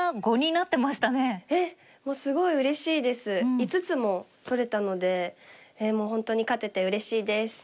５つも取れたのでもう本当に勝ててうれしいです！